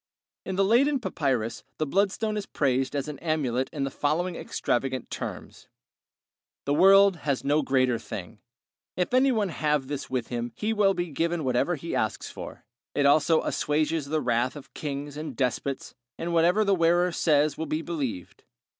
In the Leyden papyrus the bloodstone is praised as an amulet in the following extravagant terms: The world has no greater thing; if any one have this with him he will be given whatever he asks for; it also assuages the wrath of kings and despots, and whatever the wearer says will be believed.